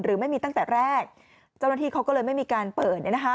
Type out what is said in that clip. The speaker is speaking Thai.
หรือไม่มีตั้งแต่แรกเจ้าหน้าที่เขาก็เลยไม่มีการเปิด